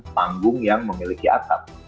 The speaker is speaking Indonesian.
panggung yang memiliki atap